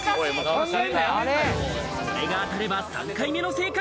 これが当たれば３回目の正解。